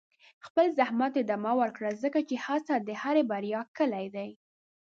خپل زحمت ته ادامه ورکړه، ځکه چې هڅه د هرې بریا کلي ده.